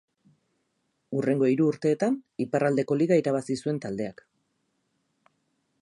Hurrengo hiru urteetan iparraldeko liga irabazi zuen taldeak.